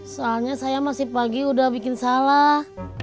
soalnya saya masih pagi udah bikin salah